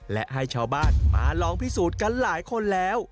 และให้ชาวบ้านมาลองพิสูจน์กันหลายคนแล้ว